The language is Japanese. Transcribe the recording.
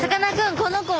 この子は？